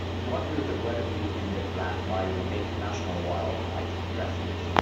What will the weather be in the Black Bayou Lake National Wildlife Refuge?